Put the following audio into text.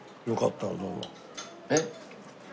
えっ？